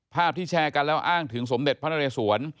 ภาพที่แชร์กันแล้วอ้างถึงสมเด็จพระนเรสวน